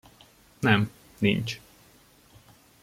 Nem, nincs.